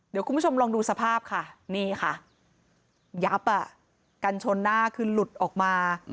เดี๋ยวคุณผู้ชมลองดูสภาพค่ะนี่ค่ะยับอ่ะกันชนหน้าคือหลุดออกมา